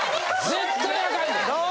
・絶対アカンで！